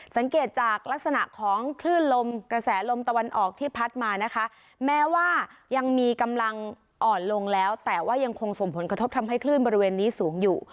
สังเกตจากลักษณะของคลื่นลมกระแสลมตะวันออกที่พัดมานะคะแม้ว่ายังมีกำลังอ่อนลงแล้วแต่ว่ายังคงส่งผลกระทบทำให้คลื่นบริเวณนี้สูงอยู่